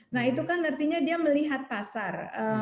nah itu kan artinya dia melihat pasar